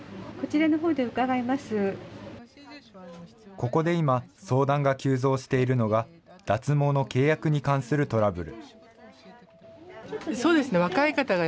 ここで今、相談が急増しているのが、脱毛の契約に関するトラブル。